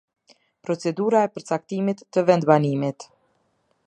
Procedura e përcaktimit të vendbanimit.